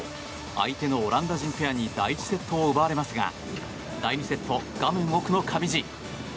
相手のオランダ人ペアに第１セットを奪われますが第２セット、画面奥の上地。